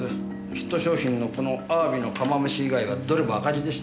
ヒット商品のこのあわびの釜めし以外はどれも赤字でした。